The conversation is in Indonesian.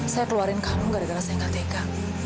saya keluarin kamu gak ada rasa yang gak tega